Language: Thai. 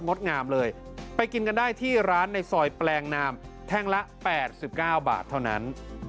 ดงามเลยไปกินกันได้ที่ร้านในซอยแปลงนามแท่งละ๘๙บาทเท่านั้น